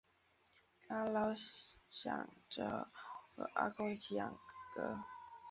她老著想和阿公一起养鹅